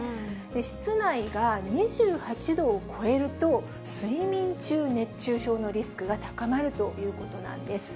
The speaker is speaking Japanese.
室内が２８度を超えると、睡眠中熱中症のリスクが高まるということなんです。